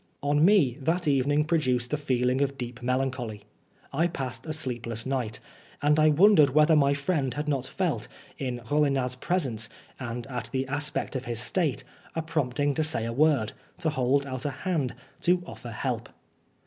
On me, that evening produced a feeling of deep melancholy. I passed a sleepless night, and I wondered whether my friend had not felt, in Rollinat's presence and at the aspect of his state, a prompting to say a word, to hold out a hand, to offer help.